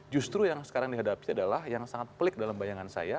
justru yang sekarang dihadapi adalah yang sangat pelik dalam bayangan saya